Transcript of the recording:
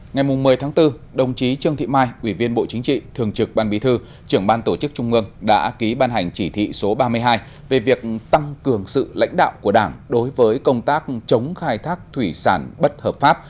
ngày một mươi tháng bốn đồng chí trương thị mai ủy viên bộ chính trị thường trực ban bí thư trưởng ban tổ chức trung ương đã ký ban hành chỉ thị số ba mươi hai về việc tăng cường sự lãnh đạo của đảng đối với công tác chống khai thác thủy sản bất hợp pháp